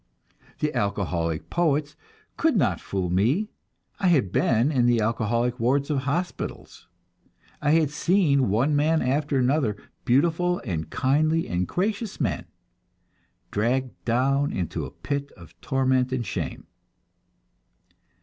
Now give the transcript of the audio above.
The alcoholic poets could not fool me; I had been in the alcoholic wards of the hospitals. I had seen one man after another, beautiful and kindly and gracious men, dragged down into a pit of torment and shame.